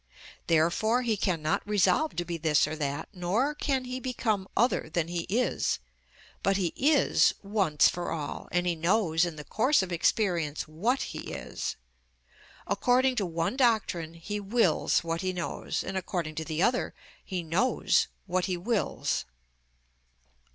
Therefore he cannot resolve to be this or that, nor can he become other than he is; but he is once for all, and he knows in the course of experience what he is. According to one doctrine he wills what he knows, and according to the other he knows what he wills.